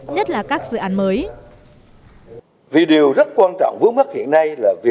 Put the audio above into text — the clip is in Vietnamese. nhất là các dự án mới